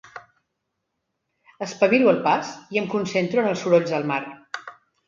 Espavilo el pas i em concentro en els sorolls del mar.